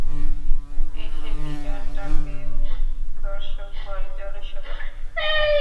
এসে লিভার টানবে ও, দর্শক ভয়ে জড়সড়।